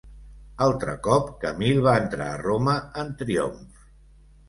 Altre cop, Camil va entrar a Roma en triomf.